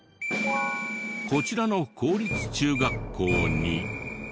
こちらの公立中学校に。